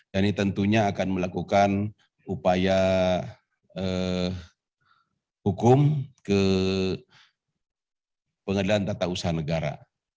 dan ini tentunya akan melakukan upaya hukum ke pengadilan tata usaha negara